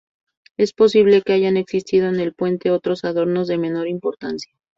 Es posible que hayan existido en el puente otros adornos de menor importancia.